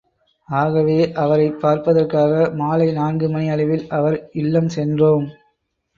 ஆகவே அவரைப் பார்ப்பதற்காக மாலை நான்கு மணி அளவில் அவர் இல்லம் சென்றோம்.